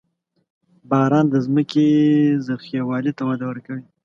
• باران د ځمکې زرخېوالي ته وده ورکوي.